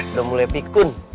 udah mulai pikun